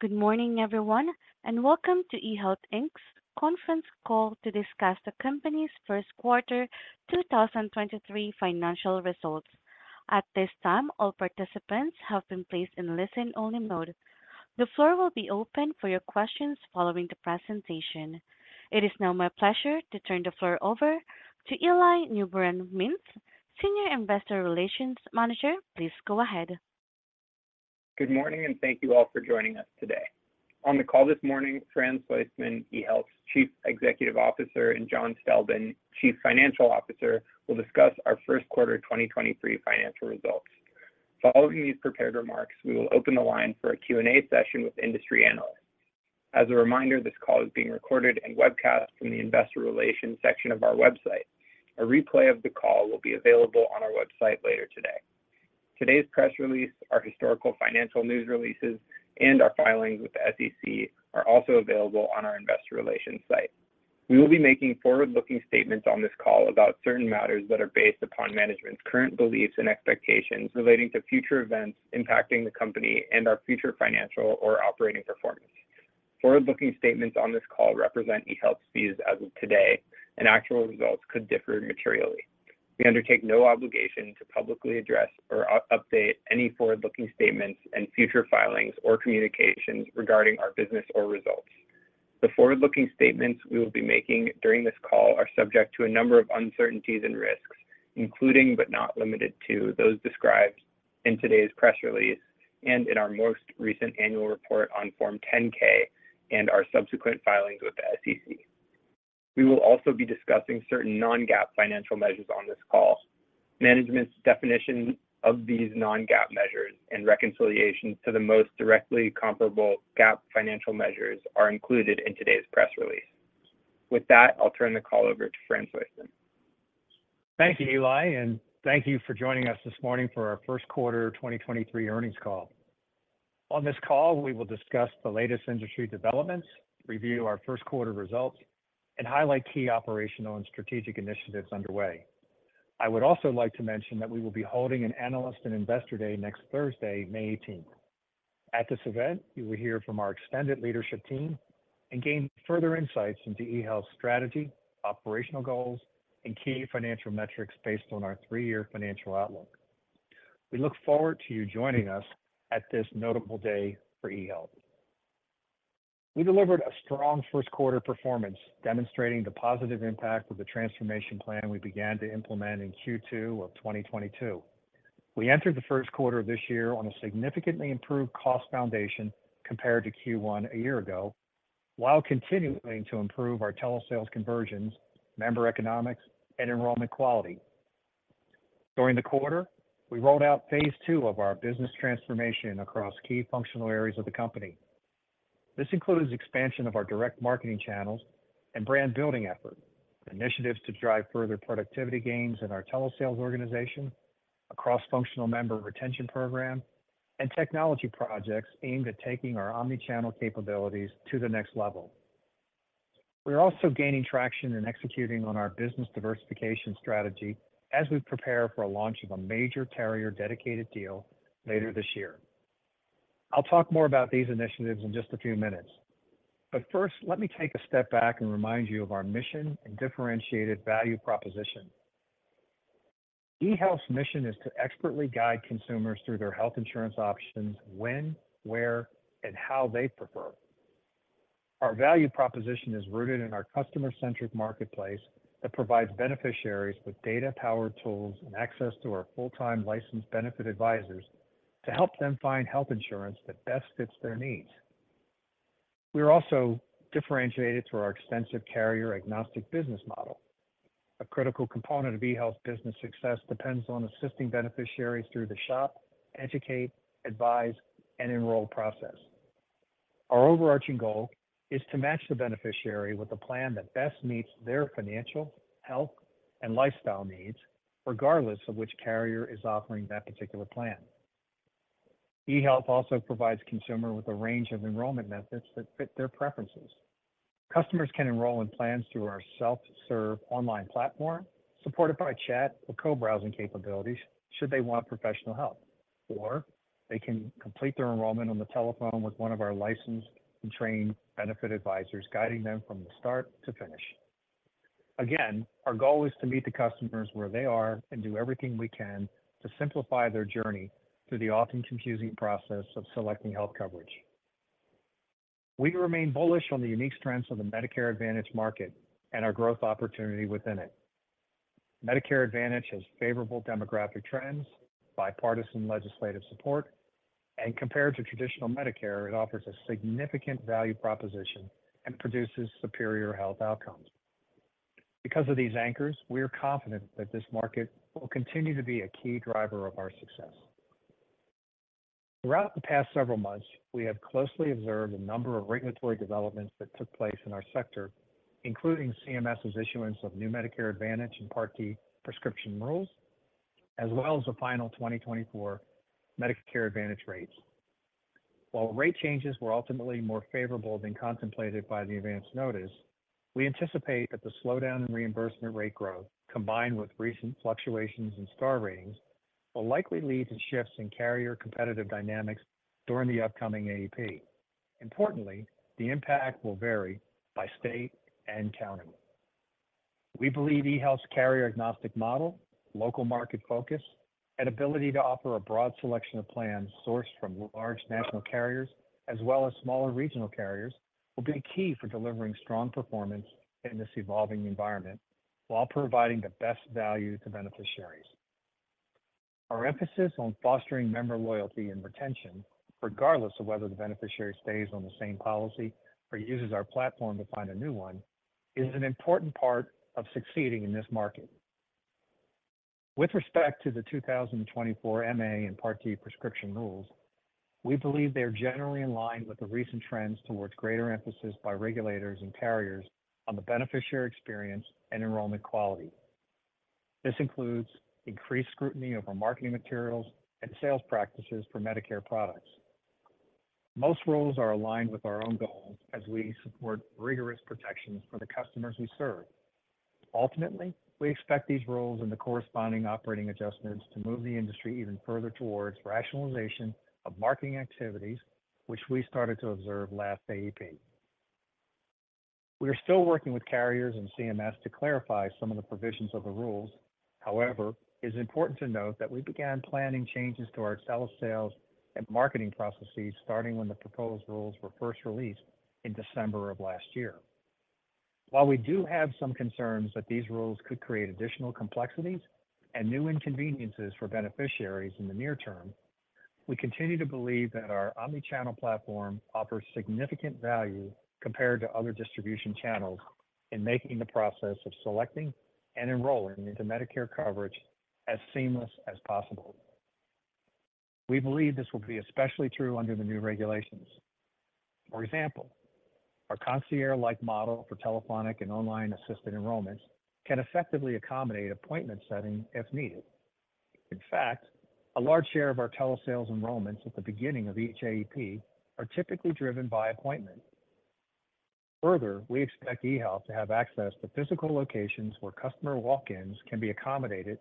Good morning, everyone, and welcome to eHealth, Inc.'s conference call to discuss the company's First Quarter 2023 Financial Results. At this time, all participants have been placed in listen-only mode. The floor will be open for your questions following the presentation. It is now my pleasure to turn the floor over to Eli Newbrun-Mintz, Senior Investor Relations Manager. Please go ahead. Good morning, and thank you all for joining us today. On the call this morning, Fran Soistman, eHealth's Chief Executive Officer, and John Stelben, Chief Financial Officer, will discuss our first quarter 2023 financial results. Following these prepared remarks, we will open the line for a Q&A session with industry analysts. As a reminder, this call is being recorded and webcast from the Investor Relations section of our website. A replay of the call will be available on our website later today. Today's press release, our historical financial news releases, and our filings with the SEC are also available on our Investor Relations site. We will be making forward-looking statements on this call about certain matters that are based upon management's current beliefs and expectations relating to future events impacting the company and our future financial or operating performance. Forward-looking statements on this call represent eHealth's views as of today. Actual results could differ materially. We undertake no obligation to publicly address or update any forward-looking statements in future filings or communications regarding our business or results. The forward-looking statements we will be making during this call are subject to a number of uncertainties and risks, including but not limited to those described in today's press release and in our most recent annual report on Form 10-K and our subsequent filings with the SEC. We will also be discussing certain non-GAAP financial measures on this call. Management's definition of these non-GAAP measures and reconciliations to the most directly comparable GAAP financial measures are included in today's press release. I'll turn the call over to Fran Soistman. Thank you, Eli, thank you for joining us this morning for our First Quarter 2023 Earnings Call. On this call, we will discuss the latest industry developments, review our first quarter results, and highlight key operational and strategic initiatives underway. I would also like to mention that we will be holding an Investor & Analyst Day next Thursday, May 18th. At this event, you will hear from our extended leadership team and gain further insights into eHealth's strategy, operational goals, and key financial metrics based on our three-year financial outlook. We look forward to you joining us at this notable day for eHealth. We delivered a strong first quarter performance, demonstrating the positive impact of the transformation plan we began to implement in Q2 of 2022. We entered the first quarter of this year on a significantly improved cost foundation compared to Q1 a year ago, while continuing to improve our telesales conversions, member economics, and enrollment quality. During the quarter, we rolled out phase II of our business transformation across key functional areas of the company. This includes expansion of our direct marketing channels and brand building effort, initiatives to drive further productivity gains in our telesales organization, a cross-functional member retention program, and technology projects aimed at taking our omnichannel capabilities to the next level. We're also gaining traction in executing on our business diversification strategy as we prepare for a launch of a major carrier dedicated deal later this year. I'll talk more about these initiatives in just a few minutes, but first, let me take a step back and remind you of our mission and differentiated value proposition. eHealth's mission is to expertly guide consumers through their health insurance options when, where, and how they prefer. Our value proposition is rooted in our customer-centric marketplace that provides beneficiaries with data, power, tools, and access to our full-time licensed benefit advisors to help them find health insurance that best fits their needs. We are also differentiated through our extensive carrier agnostic business model. A critical component of eHealth's business success depends on assisting beneficiaries through the shop, educate, advise, and enroll process. Our overarching goal is to match the beneficiary with a plan that best meets their financial, health, and lifestyle needs, regardless of which carrier is offering that particular plan. eHealth also provides consumer with a range of enrollment methods that fit their preferences. Customers can enroll in plans through our self-serve online platform, supported by chat or co-browsing capabilities should they want professional help. They can complete their enrollment on the telephone with one of our licensed and trained benefit advisors guiding them from start to finish. Again, our goal is to meet the customers where they are and do everything we can to simplify their journey through the often confusing process of selecting health coverage. We remain bullish on the unique strengths of the Medicare Advantage market and our growth opportunity within it. Medicare Advantage has favorable demographic trends, bipartisan legislative support, and compared to traditional Medicare, it offers a significant value proposition and produces superior health outcomes. Because of these anchors, we are confident that this market will continue to be a key driver of our success. Throughout the past several months, we have closely observed a number of regulatory developments that took place in our sector, including CMS's issuance of new Medicare Advantage and Part D prescription rules, as well as the final 2024 Medicare Advantage rates. While rate changes were ultimately more favorable than contemplated by the advance notice, we anticipate that the slowdown in reimbursement rate growth, combined with recent fluctuations in star ratings, will likely lead to shifts in carrier competitive dynamics during the upcoming AEP. Importantly, the impact will vary by state and county. We believe eHealth's carrier-agnostic model, local market focus, and ability to offer a broad selection of plans sourced from large national carriers as well as smaller regional carriers will be key for delivering strong performance in this evolving environment while providing the best value to beneficiaries. Our emphasis on fostering member loyalty and retention, regardless of whether the beneficiary stays on the same policy or uses our platform to find a new one, is an important part of succeeding in this market. With respect to the 2024 MA and Part D prescription rules, we believe they're generally in line with the recent trends towards greater emphasis by regulators and carriers on the beneficiary experience and enrollment quality. This includes increased scrutiny over marketing materials and sales practices for Medicare products. Most rules are aligned with our own goals as we support rigorous protections for the customers we serve. Ultimately, we expect these rules and the corresponding operating adjustments to move the industry even further towards rationalization of marketing activities, which we started to observe last AEP. We are still working with carriers and CMS to clarify some of the provisions of the rules. It is important to note that we began planning changes to our telesales and marketing processes starting when the proposed rules were first released in December of last year. While we do have some concerns that these rules could create additional complexities and new inconveniences for beneficiaries in the near term, we continue to believe that our omnichannel platform offers significant value compared to other distribution channels in making the process of selecting and enrolling into Medicare coverage as seamless as possible. We believe this will be especially true under the new regulations. For example, our concierge-like model for telephonic and online assisted enrollments can effectively accommodate appointment setting if needed. In fact, a large share of our telesales enrollments at the beginning of each AEP are typically driven by appointment. Further, we expect eHealth to have access to physical locations where customer walk-ins can be accommodated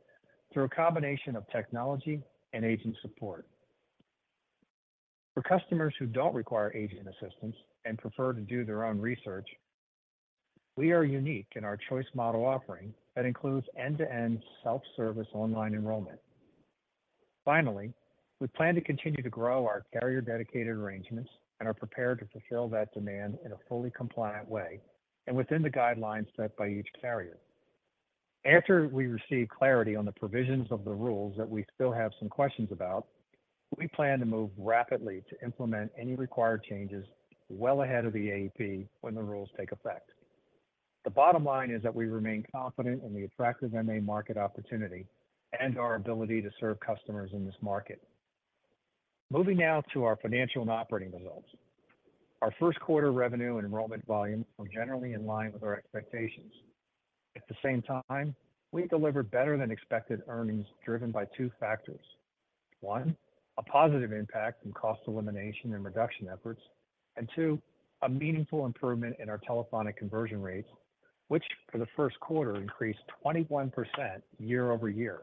through a combination of technology and agent support. For customers who don't require agent assistance and prefer to do their own research, we are unique in our choice model offering that includes end-to-end self-service online enrollment. Finally, we plan to continue to grow our carrier-dedicated arrangements and are prepared to fulfill that demand in a fully compliant way and within the guidelines set by each carrier. After we receive clarity on the provisions of the rules that we still have some questions about, we plan to move rapidly to implement any required changes well ahead of the AEP when the rules take effect. The bottom line is that we remain confident in the attractive MA market opportunity and our ability to serve customers in this market. Moving now to our financial and operating results. Our first quarter revenue and enrollment volumes were generally in line with our expectations. At the same time, we delivered better than expected earnings driven by 2 factors. 1, a positive impact from cost elimination and reduction efforts, and 2, a meaningful improvement in our telephonic conversion rates, which for the first quarter increased 21% year-over-year.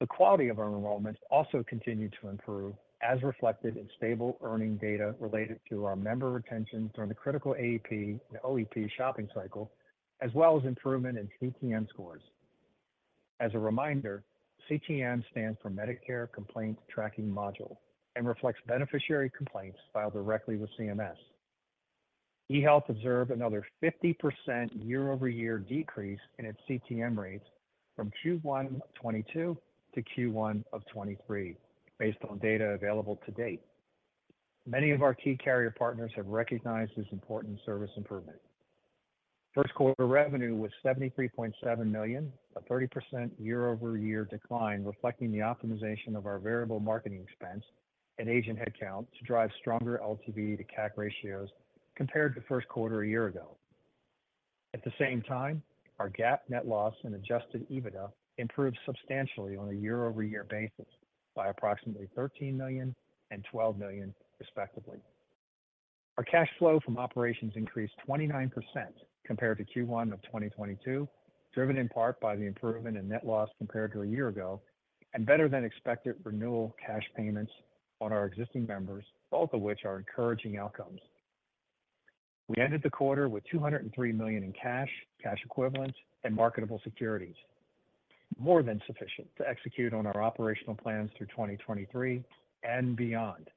The quality of our enrollments also continued to improve as reflected in stable earning data related to our member retention during the critical AEP and OEP shopping cycle, as well as improvement in CTM scores. As a reminder, CTM stands for Medicare Complaints Tracking Module and reflects beneficiary complaints filed directly with CMS. eHealth observed another 50% year-over-year decrease in its CTM rates from Q1 of 2022 to Q1 of 2023, based on data available to date. Many of our key carrier partners have recognized this important service improvement. First quarter revenue was $73.7 million, a 30% year-over-year decline, reflecting the optimization of our variable marketing expense and agent headcount to drive stronger LTV to CAC ratios compared to first quarter a year ago. At the same time, our GAAP net loss and adjusted EBITDA improved substantially on a year-over-year basis by approximately $13 million and $12 million, respectively. Our cash flow from operations increased 29% compared to Q1 of 2022, driven in part by the improvement in net loss compared to a year ago and better than expected renewal cash payments on our existing members, both of which are encouraging outcomes. We ended the quarter with $203 million in cash equivalents, and marketable securities, more than sufficient to execute on our operational plans through 2023 and beyond.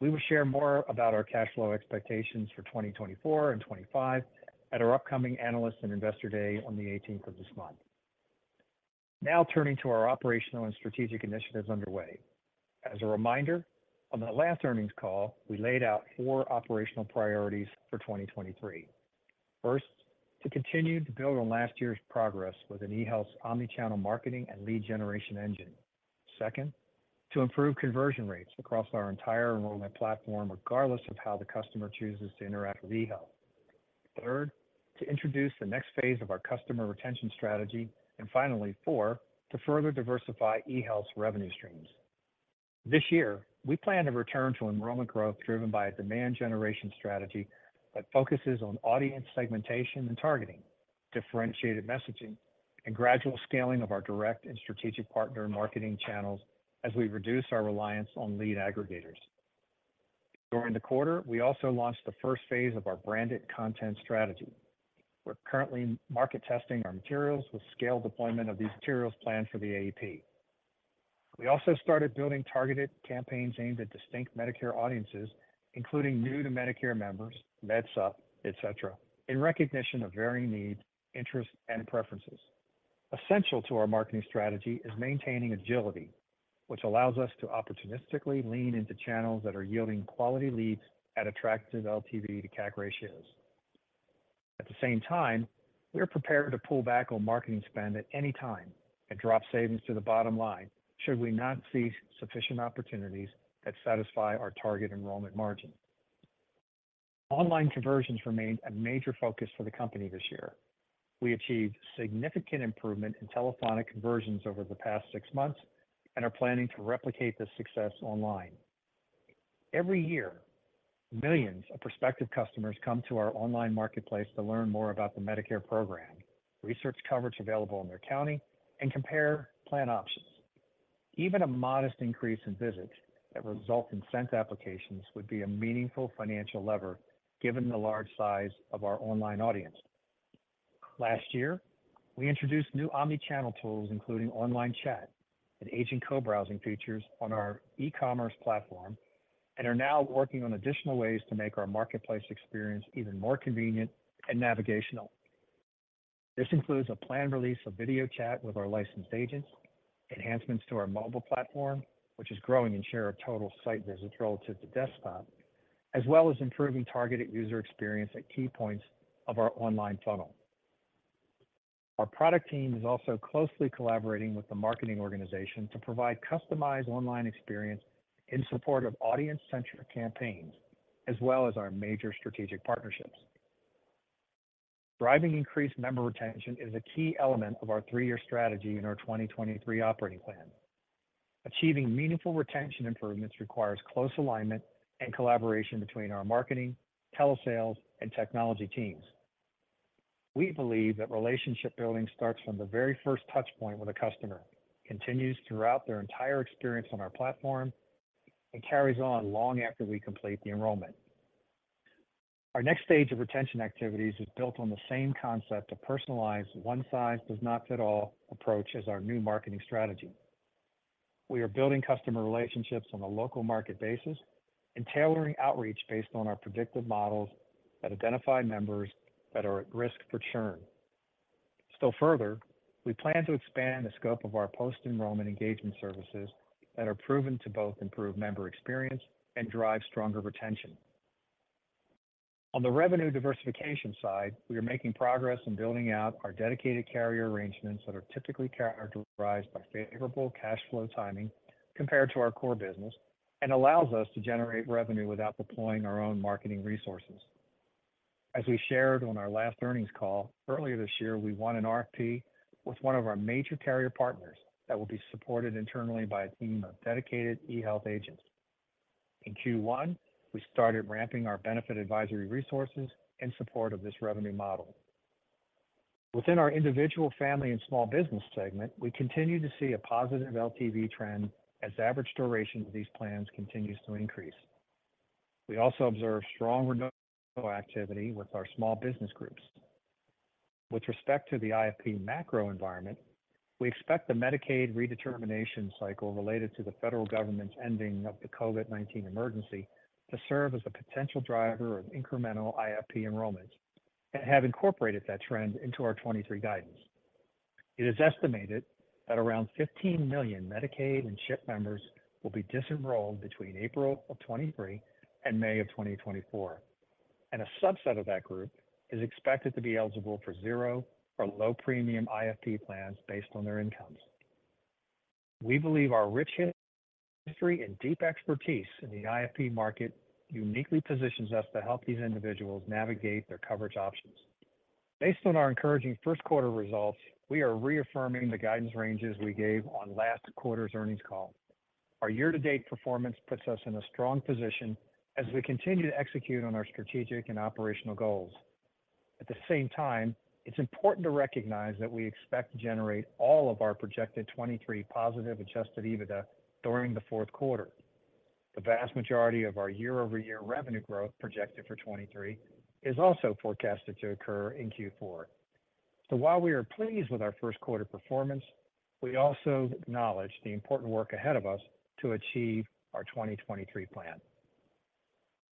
We will share more about our cash flow expectations for 2024 and 2025 at our upcoming Investor & Analyst Day on the 18th of this month. Turning to our operational and strategic initiatives underway. As a reminder, on the last earnings call, we laid out four operational priorities for 2023. First, to continue to build on last year's progress within eHealth's omnichannel marketing and lead generation engine. Second, to improve conversion rates across our entire enrollment platform, regardless of how the customer chooses to interact with eHealth. Third, to introduce the next phase of our customer retention strategy. Finally, four, to further diversify eHealth's revenue streams. This year, we plan to return to enrollment growth driven by a demand generation strategy that focuses on audience segmentation and targeting, differentiated messaging, and gradual scaling of our direct and strategic partner marketing channels as we reduce our reliance on lead aggregators. During the quarter, we also launched the phase I of our branded content strategy. We're currently market testing our materials with scale deployment of these materials planned for the AEP. We also started building targeted campaigns aimed at distinct Medicare audiences, including new to Medicare members, MedSup, et cetera, in recognition of varying needs, interests, and preferences. Essential to our marketing strategy is maintaining agility, which allows us to opportunistically lean into channels that are yielding quality leads at attractive LTV to CAC ratios. At the same time, we are prepared to pull back on marketing spend at any time and drop savings to the bottom line should we not see sufficient opportunities that satisfy our target enrollment margin. Online conversions remain a major focus for the company this year. We achieved significant improvement in telephonic conversions over the past six months and are planning to replicate this success online. Every year, millions of prospective customers come to our online marketplace to learn more about the Medicare program, research coverage available in their county, and compare plan options. Even a modest increase in visits that result in sent applications would be a meaningful financial lever given the large size of our online audience. Last year, we introduced new omnichannel tools, including online chat and agent co-browsing features on our e-commerce platform and are now working on additional ways to make our marketplace experience even more convenient and navigational. This includes a planned release of video chat with our licensed agents, enhancements to our mobile platform, which is growing in share of total site visits relative to desktop, as well as improving targeted user experience at key points of our online funnel. Our product team is also closely collaborating with the marketing organization to provide customized online experience in support of audience-centric campaigns, as well as our major strategic partnerships. Driving increased member retention is a key element of our three-year strategy in our 2023 operating plan. Achieving meaningful retention improvements requires close alignment and collaboration between our marketing, telesales, and technology teams. We believe that relationship building starts from the very first touch point with a customer, continues throughout their entire experience on our platform, and carries on long after we complete the enrollment. Our next stage of retention activities is built on the same concept of personalized one size does not fit all approach as our new marketing strategy. We are building customer relationships on a local market basis and tailoring outreach based on our predictive models that identify members that are at risk for churn. Still further, we plan to expand the scope of our post-enrollment engagement services that are proven to both improve member experience and drive stronger retention. On the revenue diversification side, we are making progress in building out our dedicated carrier arrangements that are typically characterized by favorable cash flow timing compared to our core business and allows us to generate revenue without deploying our own marketing resources. As we shared on our last earnings call, earlier this year, we won an RFP with one of our major carrier partners that will be supported internally by a team of dedicated eHealth agents. In Q1, we started ramping our benefit advisory resources in support of this revenue model. Within our Individual Family and Small Business segment, we continue to see a positive LTV trend as average duration of these plans continues to increase. We also observe strong renewal activity with our small business groups. With respect to the IFP macro environment, we expect the Medicaid redetermination cycle related to the federal government's ending of the COVID-19 emergency to serve as a potential driver of incremental IFP enrollments. We have incorporated that trend into our 2023 guidance. It is estimated that around 15 million Medicaid and CHIP members will be disenrolled between April of 2023 and May of 2024. A subset of that group is expected to be eligible for zero or low premium IFP plans based on their incomes. We believe our rich history and deep expertise in the IFP market uniquely positions us to help these individuals navigate their coverage options. Based on our encouraging first quarter results, we are reaffirming the guidance ranges we gave on last quarter's earnings call. Our year-to-date performance puts us in a strong position as we continue to execute on our strategic and operational goals. At the same time, it's important to recognize that we expect to generate all of our projected 2023 positive adjusted EBITDA during the fourth quarter. The vast majority of our year-over-year revenue growth projected for 2023 is also forecasted to occur in Q4. While we are pleased with our first quarter performance, we also acknowledge the important work ahead of us to achieve our 2023 plan.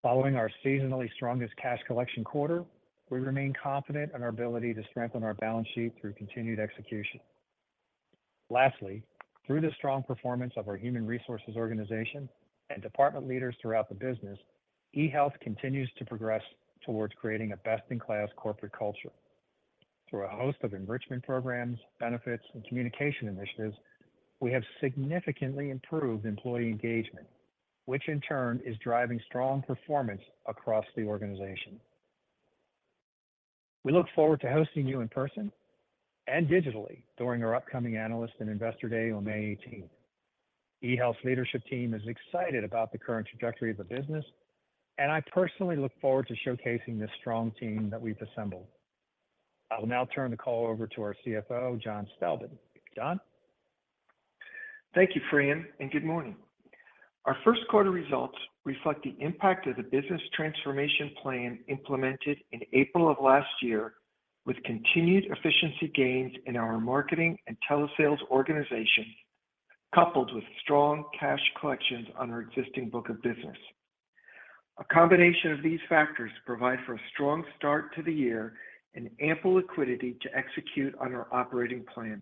Following our seasonally strongest cash collection quarter, we remain confident in our ability to strengthen our balance sheet through continued execution. Lastly, through the strong performance of our human resources organization and department leaders throughout the business, eHealth continues to progress towards creating a best-in-class corporate culture. Through a host of enrichment programs, benefits, and communication initiatives, we have significantly improved employee engagement, which in turn is driving strong performance across the organization. We look forward to hosting you in person and digitally during our upcoming Investor & Analyst Day on May 18th. eHealth's leadership team is excited about the current trajectory of the business, and I personally look forward to showcasing this strong team that we've assembled. I will now turn the call over to our CFO, John Stelben. John? Thank you, Fran, and good morning. Our first quarter results reflect the impact of the business transformation plan implemented in April of last year with continued efficiency gains in our marketing and telesales organization, coupled with strong cash collections on our existing book of business. A combination of these factors provide for a strong start to the year and ample liquidity to execute on our operating plan.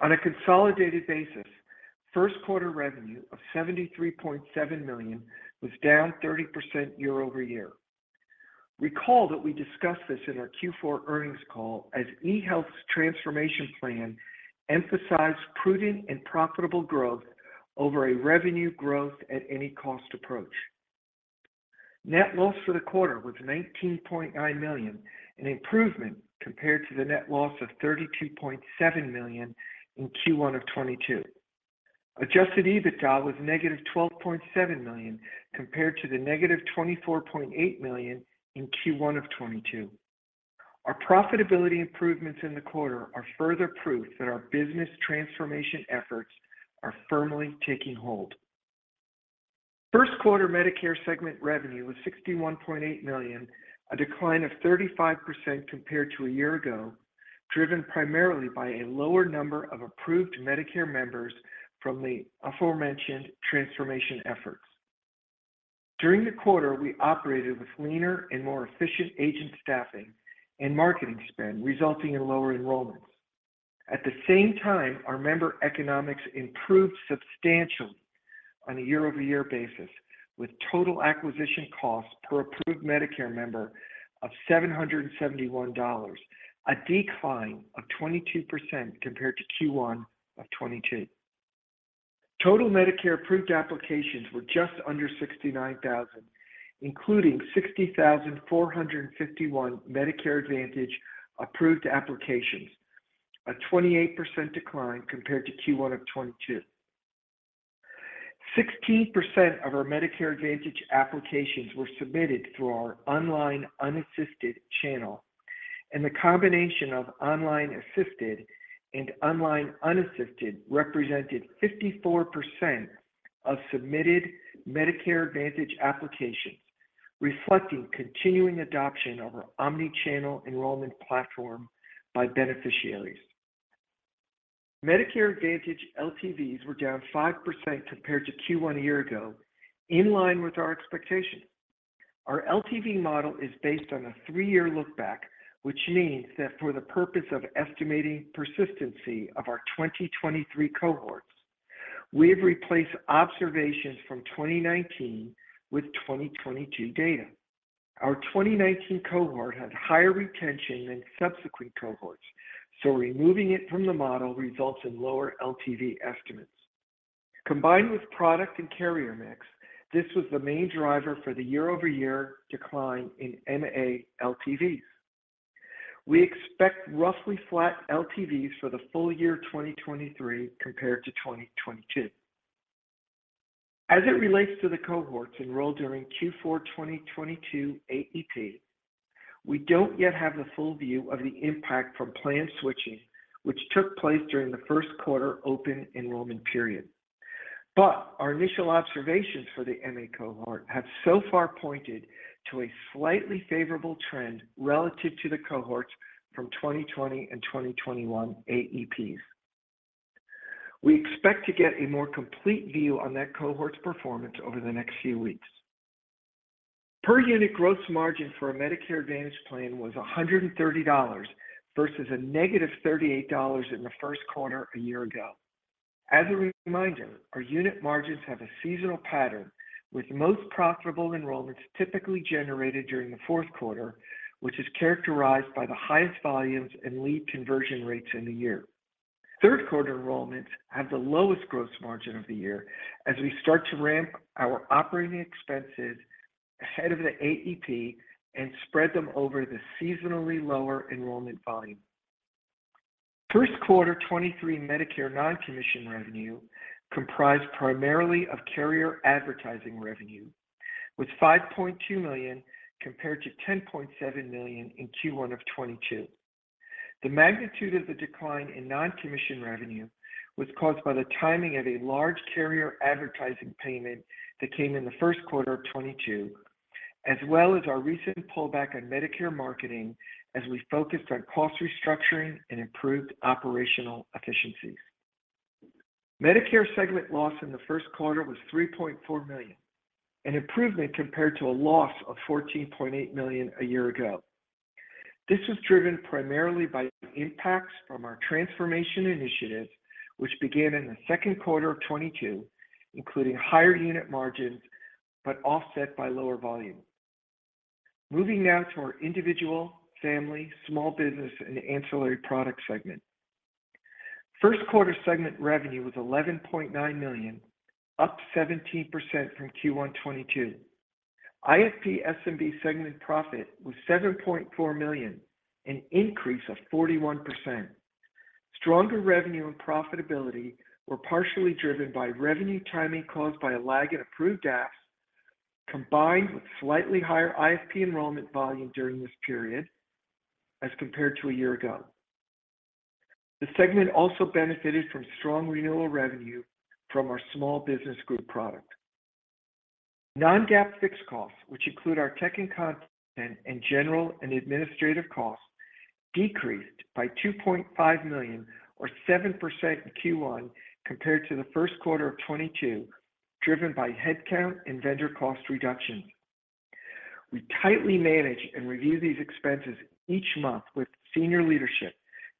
On a consolidated basis, first quarter revenue of $73.7 million was down 30% year-over-year. Recall that we discussed this in our Q4 earnings call as eHealth's transformation plan emphasized prudent and profitable growth over a revenue growth at any cost approach. Net loss for the quarter was $19.9 million, an improvement compared to the net loss of $32.7 million in Q1 of 2022. Adjusted EBITDA was negative $12.7 million compared to the negative $24.8 million in Q1 of 2022. Our profitability improvements in the quarter are further proof that our business transformation efforts are firmly taking hold. First quarter Medicare segment revenue was $61.8 million, a decline of 35% compared to a year ago, driven primarily by a lower number of approved Medicare members from the aforementioned transformation efforts. During the quarter, we operated with leaner and more efficient agent staffing and marketing spend, resulting in lower enrollments. At the same time, our member economics improved substantially on a year-over-year basis, with total acquisition costs per approved Medicare member of $771, a decline of 22% compared to Q1 of 2022. Total Medicare approved applications were just under 69,000, including 60,451 Medicare Advantage approved applications, a 28% decline compared to Q1 of 2022. 16% of our Medicare Advantage applications were submitted through our online unassisted channel, and the combination of online assisted and online unassisted represented 54% of submitted Medicare Advantage applications, reflecting continuing adoption of our omnichannel enrollment platform by beneficiaries. Medicare Advantage LTVs were down 5% compared to Q1 a year ago, in line with our expectations. Our LTV model is based on a 3-year look back, which means that for the purpose of estimating persistency of our 2023 cohorts, we have replaced observations from 2019 with 2022 data. Our 2019 cohort had higher retention than subsequent cohorts. Removing it from the model results in lower LTV estimates. Combined with product and carrier mix, this was the main driver for the year-over-year decline in MA LTVs. We expect roughly flat LTVs for the full year 2023 compared to 2022. As it relates to the cohorts enrolled during Q4 2022 AEP, we don't yet have the full view of the impact from plan switching, which took place during the first quarter open enrollment period. Our initial observations for the MA cohort have so far pointed to a slightly favorable trend relative to the cohorts from 2020 and 2021 AEPs. We expect to get a more complete view on that cohort's performance over the next few weeks. Per unit gross margin for a Medicare Advantage plan was $130 versus -$38 in the first quarter a year ago. As a reminder, our unit margins have a seasonal pattern with most profitable enrollments typically generated during the fourth quarter, which is characterized by the highest volumes and lead conversion rates in the year. Third quarter enrollments have the lowest gross margin of the year as we start to ramp our operating expenses ahead of the AEP and spread them over the seasonally lower enrollment volume. First quarter 2023 Medicare non-commission revenue comprised primarily of carrier advertising revenue with $5.2 million compared to $10.7 million in Q1 of 2022. The magnitude of the decline in non-commission revenue was caused by the timing of a large carrier advertising payment that came in the first quarter of 2022, as well as our recent pullback on Medicare marketing as we focused on cost restructuring and improved operational efficiencies. Medicare segment loss in the first quarter was $3.4 million, an improvement compared to a loss of $14.8 million a year ago. This was driven primarily by impacts from our transformation initiative, which began in the second quarter of 2022, including higher unit margins, but offset by lower volume. Moving now to our individual, family, small business, and ancillary product segment. First quarter segment revenue was $11.9 million, up 17% from Q1 2022. IFP SMB segment profit was $7.4 million, an increase of 41%. Stronger revenue and profitability were partially driven by revenue timing caused by a lag in approved apps, combined with slightly higher IFP enrollment volume during this period as compared to a year ago. The segment also benefited from strong renewal revenue from our small business group product. Non-GAAP fixed costs, which include our tech and content and general and administrative costs, decreased by $2.5 million or 7% in Q1 compared to the first quarter of 2022, driven by headcount and vendor cost reductions. We tightly manage and review these expenses each month with senior leadership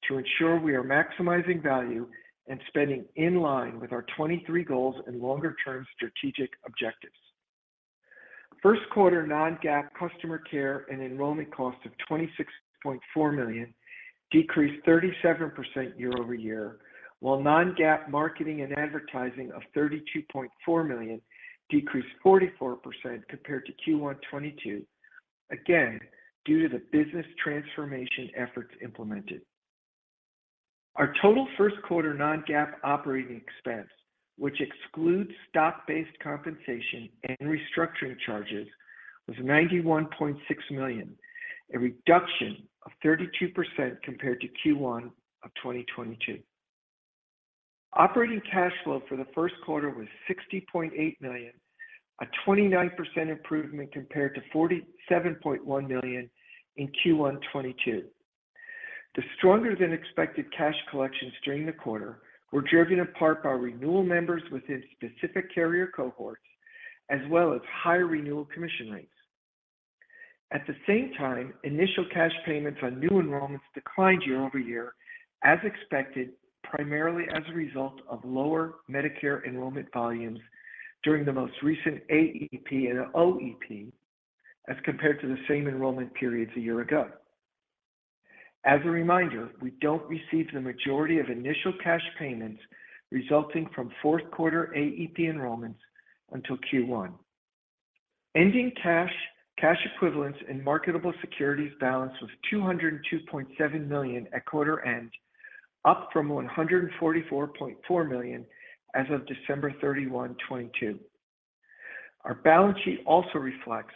to ensure we are maximizing value and spending in line with our 2023 goals and longer-term strategic objectives. First quarter non-GAAP customer care and enrollment costs of $26.4 million decreased 37% year-over-year, while non-GAAP marketing and advertising of $32.4 million decreased 44% compared to Q1 2022. Due to the business transformation efforts implemented. Our total first quarter non-GAAP operating expense, which excludes stock-based compensation and restructuring charges, was $91.6 million, a reduction of 32% compared to Q1 2022. Operating cash flow for the first quarter was $60.8 million, a 29% improvement compared to $47.1 million in Q1 2022. The stronger than expected cash collections during the quarter were driven in part by renewal members within specific carrier cohorts, as well as higher renewal commission rates. At the same time, initial cash payments on new enrollments declined year-over-year as expected, primarily as a result of lower Medicare enrollment volumes during the most recent AEP and OEP as compared to the same enrollment periods a year ago. As a reminder, we don't receive the majority of initial cash payments resulting from fourth quarter AEP enrollments until Q1. Ending cash equivalents, and marketable securities balance was $202.7 million at quarter end, up from $144.4 million as of December 31st, 2022. Our balance sheet also reflects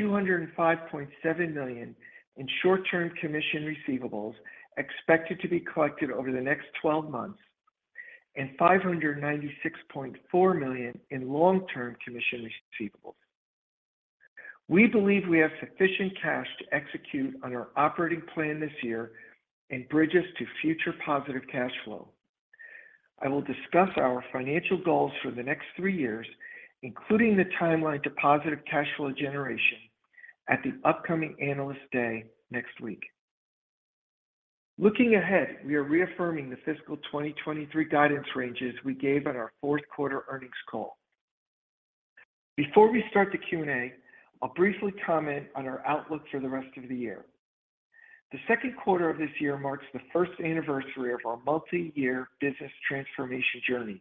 $205.7 million in short-term commission receivables expected to be collected over the next 12 months, and $596.4 million in long-term commission receivables. We believe we have sufficient cash to execute on our operating plan this year and bridge us to future positive cash flow. I will discuss our financial goals for the next three years, including the timeline to positive cash flow generation, at the upcoming Analyst Day next week. Looking ahead, we are reaffirming the fiscal 2023 guidance ranges we gave at our fourth quarter earnings call. Before we start the Q&A, I'll briefly comment on our outlook for the rest of the year. The second quarter of this year marks the first anniversary of our multiyear business transformation journey,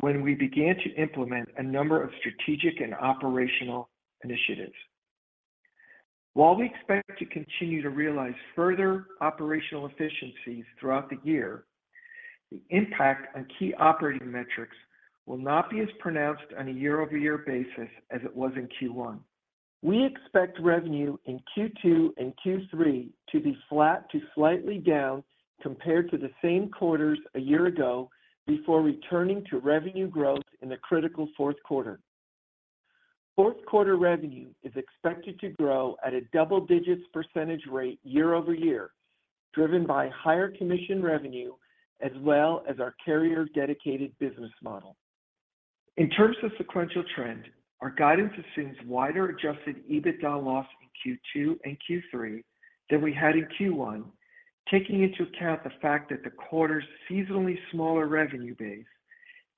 when we began to implement a number of strategic and operational initiatives. While we expect to continue to realize further operational efficiencies throughout the year, the impact on key operating metrics will not be as pronounced on a year-over-year basis as it was in Q1. We expect revenue in Q2 and Q3 to be flat to slightly down compared to the same quarters a year ago before returning to revenue growth in the critical fourth quarter. Fourth quarter revenue is expected to grow at a double-digit percentage rate year-over-year, driven by higher commission revenue as well as our carrier-dedicated business model. In terms of sequential trend, our guidance assumes wider adjusted EBITDA loss in Q2 and Q3 than we had in Q1, taking into account the fact that the quarter's seasonally smaller revenue base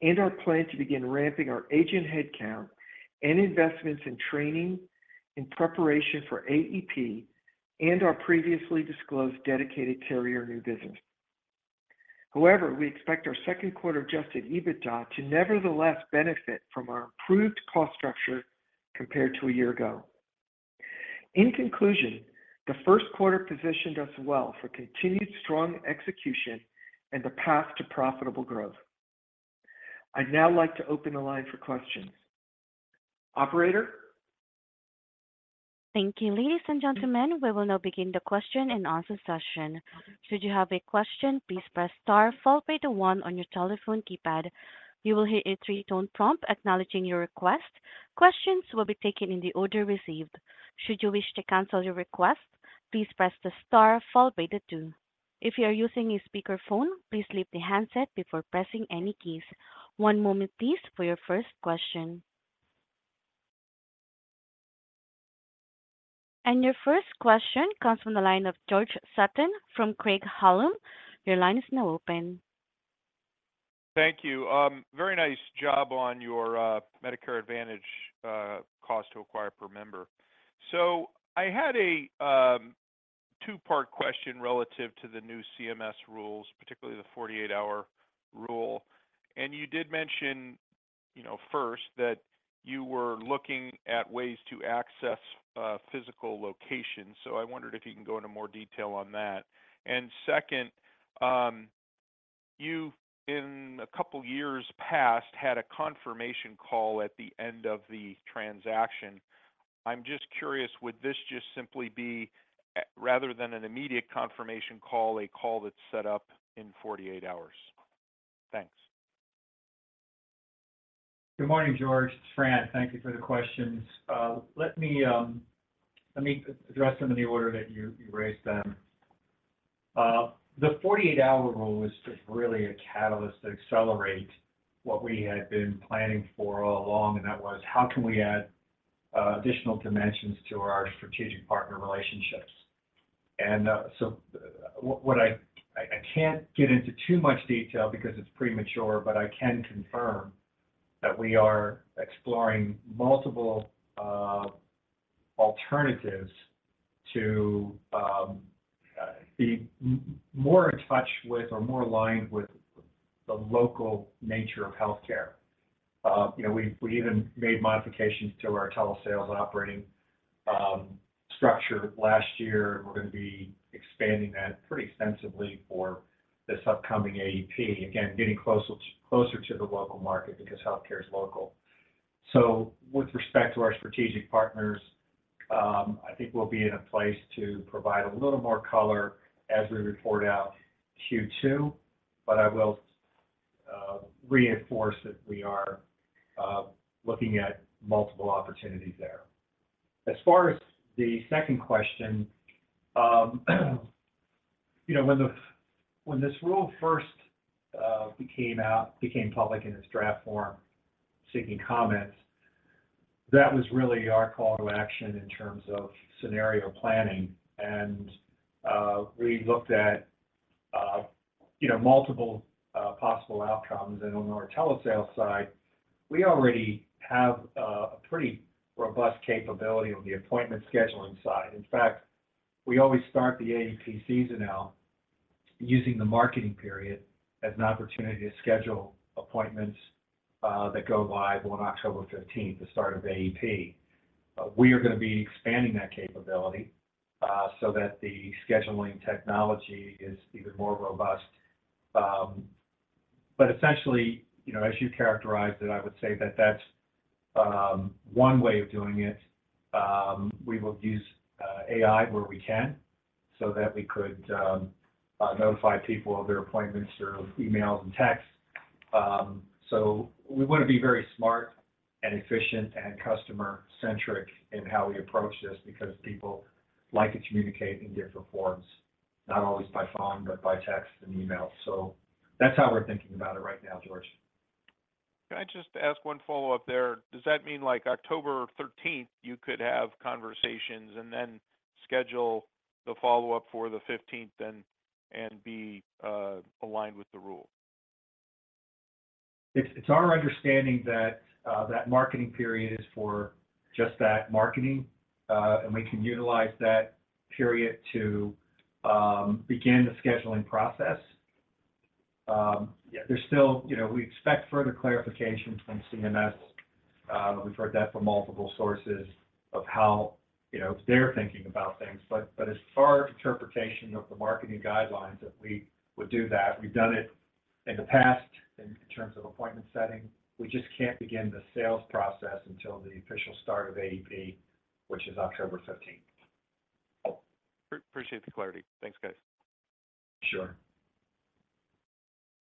and our plan to begin ramping our agent headcount and investments in training in preparation for AEP and our previously disclosed dedicated carrier new business. However, we expect our second quarter adjusted EBITDA to nevertheless benefit from our improved cost structure compared to a year ago. In conclusion, the first quarter positioned us well for continued strong execution and the path to profitable growth. I'd now like to open the line for questions. Operator? Thank you. Ladies and gentlemen, we will now begin the question and answer session. Should you have a question, please press star followed by the one on your telephone keypad. You will hear a three tone prompt acknowledging your request. Questions will be taken in the order received. Should you wish to cancel your request, please press the star followed by the two. If you are using a speakerphone, please leave the handset before pressing any keys. One moment please for your first question. Your first question comes from the line of George Sutton from Craig-Hallum. Your line is now open. Thank you. very nice job on your Medicare Advantage cost to acquire per member. I had a 2-part question relative to the new CMS rules, particularly the 48-hour rule. You did mention, you know, first that you were looking at ways to access physical locations. I wondered if you can go into more detail on that. Second, you've in a couple years past, had a confirmation call at the end of the transaction. I'm just curious, would this just simply be, rather than an immediate confirmation call, a call that's set up in 48 hours? Thanks. Good morning, George. It's Fran. Thank you for the questions. Let me, let me address them in the order that you raised them. The 48-hour rule is just really a catalyst to accelerate what we had been planning for all along, and that was how can we add additional dimensions to our strategic partner relationships. What I can't get into too much detail because it's premature, but I can confirm that we are exploring multiple alternatives to be more in touch with or more aligned with the local nature of healthcare. You know, we even made modifications to our telesales and operating structure last year, and we're gonna be expanding that pretty extensively for this upcoming AEP. Again, getting closer to the local market because healthcare is local. With respect to our strategic partners, I think we'll be in a place to provide a little more color as we report out Q2, but I will reinforce that we are looking at multiple opportunities there. As far as the second question, you know, when this rule first became out, became public in its draft form, seeking comments, that was really our call to action in terms of scenario planning. We looked at, you know, multiple possible outcomes. On our telesales side, we already have a pretty robust capability on the appointment scheduling side. In fact, we always start the AEP season now using the marketing period as an opportunity to schedule appointments that go live on October 15th, the start of AEP. We are gonna be expanding that capability so that the scheduling technology is even more robust. Essentially, you know, as you characterized it, I would say that that's one way of doing it. We will use AI where we can so that we could notify people of their appointments through emails and texts. We wanna be very smart and efficient and customer-centric in how we approach this because people like to communicate in different forms, not always by phone, but by text and email. That's how we're thinking about it right now, George. Can I just ask one follow-up there? Does that mean like October 13th, you could have conversations and then schedule the follow-up for the 15th and be aligned with the rule? It's our understanding that marketing period is for just that, marketing. We can utilize that period to begin the scheduling process. Yeah, there's still... You know, we expect further clarification from CMS, we've heard that from multiple sources of how, you know, they're thinking about things. As far as interpretation of the marketing guidelines that we would do that, we've done it in the past in terms of appointment setting. We just can't begin the sales process until the official start of AEP, which is October 15th. Appreciate the clarity. Thanks, guys. Sure.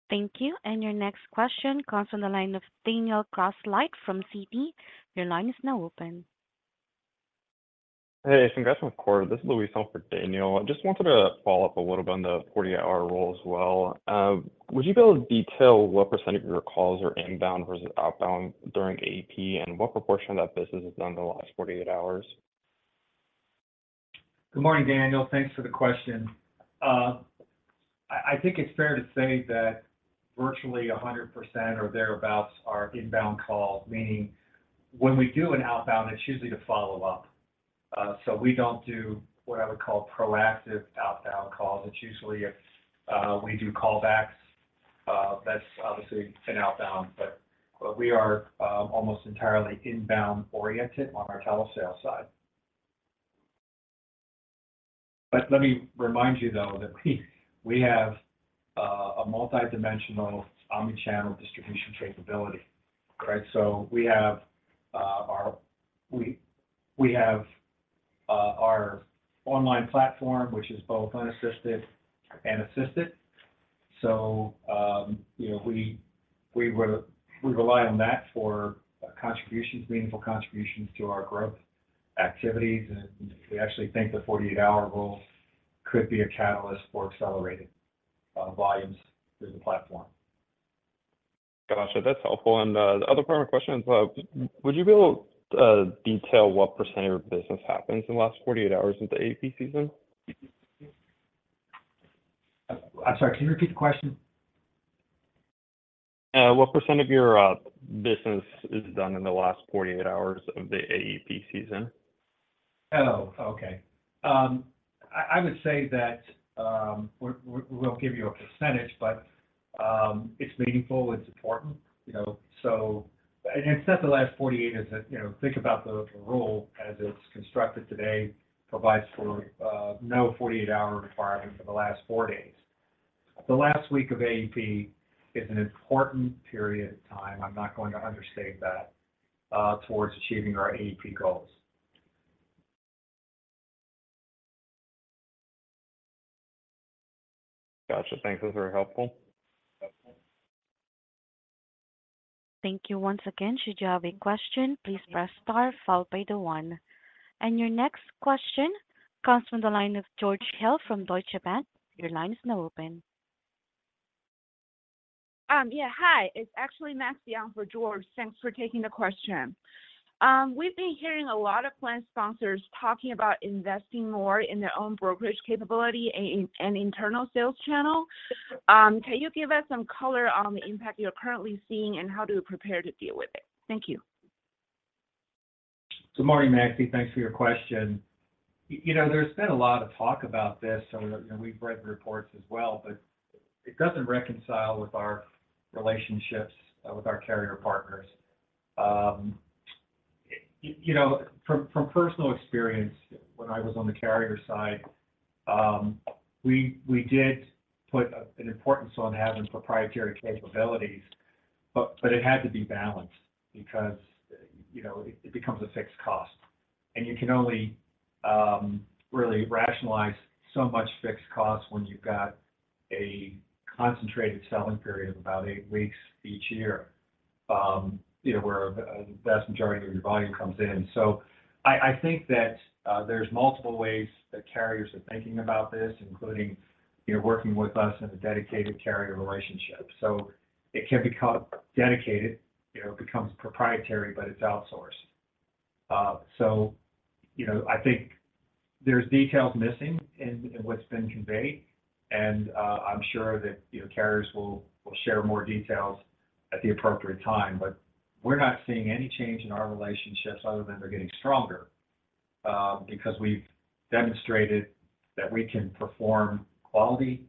Thank you. Your next question comes from the line of Daniel Grosslight from Citi. Your line is now open. Hey, congrats on the quarter. This is Luis on for Daniel. I just wanted to follow up a little bit on the 48-hour rule as well. Would you be able to detail what % of your calls are inbound versus outbound during AEP, and what proportion of that business is done in the last 48 hours? Good morning, Daniel. Thanks for the question. I think it's fair to say that virtually 100% or thereabouts are inbound calls, meaning when we do an outbound, it's usually to follow up. We don't do what I would call proactive outbound calls. It's usually we do callbacks. That's obviously an outbound, but we are almost entirely inbound-oriented on our telesales side. Let me remind you, though, that we have a multidimensional omnichannel distribution capability. Right? We have our online platform, which is both unassisted and assisted. You know, we rely on that for contributions, meaningful contributions to our growth activities. We actually think the 48-hour rule could be a catalyst for accelerating volumes through the platform. Gotcha. That's helpful. The other part of my question is, would you be able to detail what % of your business happens in the last 48 hours of the AEP season? I'm sorry, can you repeat the question? What percent of your business is done in the last 48 hours of the AEP season? Okay. I would say that we won't give you a percentage, but it's meaningful, it's important, you know. It's not the last 48, it's, you know. Think about the rule as it's constructed today provides for no 48-hour requirement for the last 4 days. The last week of AEP is an important period of time, I'm not going to understate that towards achieving our AEP goals. Gotcha. Thanks. That's very helpful. Thank you once again. Should you have a question, please press star followed by the one. Your next question comes from the line of George Hill from Deutsche Bank. Your line is now open. Yeah. Hi, it's actually Maxie on for George. Thanks for taking the question. We've been hearing a lot of plan sponsors talking about investing more in their own brokerage capability and internal sales channel. Can you give us some color on the impact you're currently seeing and how do you prepare to deal with it? Thank you. Good morning, Maxie, thanks for your question. You know, there's been a lot of talk about this and we've read the reports as well, but it doesn't reconcile with our relationships with our carrier partners. You know, from personal experience when I was on the carrier side, we did put an importance on having proprietary capabilities, but it had to be balanced because, you know, it becomes a fixed cost. You can only really rationalize so much fixed cost when you've got a concentrated selling period of about eight weeks each year, you know, where the vast majority of your volume comes in. I think that there's multiple ways that carriers are thinking about this, including, you know, working with us in a dedicated carrier relationship. It can become dedicated, you know, becomes proprietary, but it's outsourced. You know, I think there's details missing in what's been conveyed, and, I'm sure that, you know, carriers will share more details at the appropriate time. We're not seeing any change in our relationships other than they're getting stronger, because we've demonstrated that we can perform quality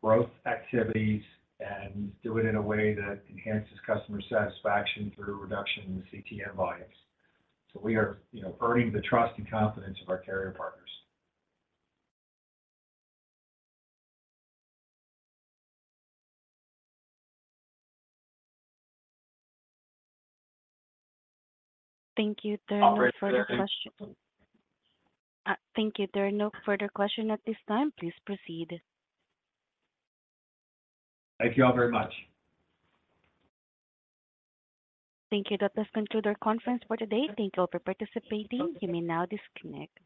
growth activities and do it in a way that enhances customer satisfaction through reduction in the CTM volumes. We are, you know, earning the trust and confidence of our carrier partners. Thank you. There are no further questions. Operator is there... Thank you. There are no further question at this time. Please proceed. Thank you all very much. Thank you. That does conclude our conference for today. Thank you all for participating. You may now disconnect.